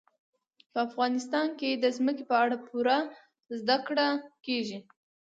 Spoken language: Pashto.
په افغانستان کې د ځمکه په اړه پوره زده کړه کېږي.